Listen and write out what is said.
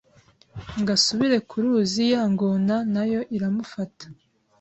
Ngo asubire ku ruziya ngona na yo iramufata